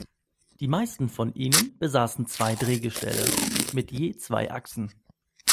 Die meisten von ihnen besaßen zwei Drehgestelle mit je zwei Achsen.